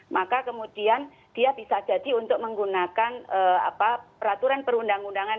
maka kemudian dia bisa jadi untuk menggunakan peraturan perundang undangan